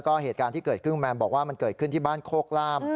ก็เหตุการณ์ที่เกิดขึ้นคุณแมมบอกว่ามันเกิดขึ้นที่บ้านโคกล่าม